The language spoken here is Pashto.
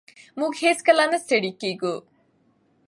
موږ هېڅکله نه ستړي کېږو.